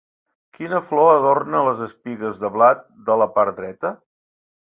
Quina flor adorna les espigues de blat de la part dreta?